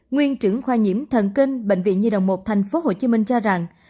nguyên trưởng khoa nhiễm thần kinh bệnh viện nhi đồng một tp hcm cho rằng